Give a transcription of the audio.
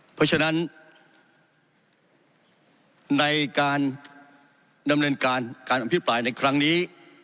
เพราะฉะนั้นในการดำเนินการการอภิปรายในครั้งนี้